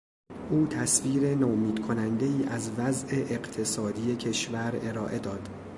او تصویر نومید کنندهای از وضع اقتصادی کشور ارائه داد.